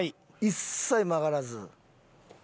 一切曲がらず。